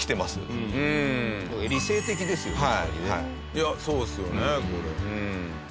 いやそうですよねこれ。